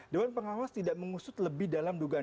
dewan pengawas tidak mengusut lebih dalam dugaan